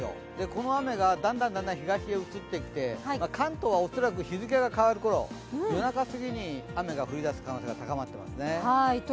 この雨がだんだん東へ移ってきて関東は恐らく日付が変わる頃、夜中すぎに雨が降り出す可能性が高まっていますね。